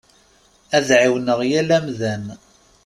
Ad ɛiwneɣ yal amdan.